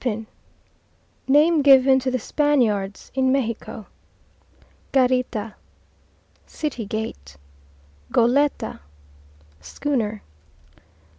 Gachupin Name given to the Spaniards in Mejico. Garita City gate. Goleta Schooner.